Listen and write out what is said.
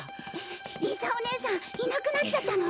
理沙お姉さんいなくなっちゃったの？